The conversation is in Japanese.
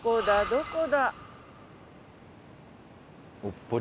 どこだ？